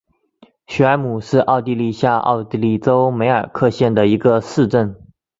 许尔姆是奥地利下奥地利州梅尔克县的一个市镇。